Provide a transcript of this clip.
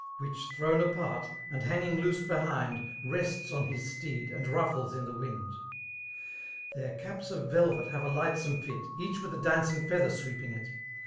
Which thrown apart, and hanging loose behind. Rests on his steed, and ruffles in the wind. Their caps of vdvet have a lightsmne fit> ,'| Each with, a dancing feather sweeping it.